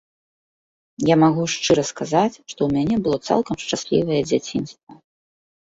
Я магу шчыра сказаць, што ў мяне было цалкам шчаслівае дзяцінства.